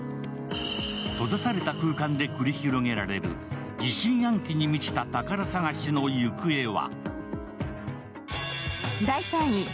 閉ざされた空間で繰り広げられる疑心暗鬼に満ちた宝探しの行方は。